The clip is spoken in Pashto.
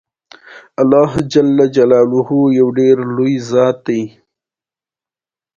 ځکه چې تاسې د ګڼو خلکو ستونزې هوارې کړې دي.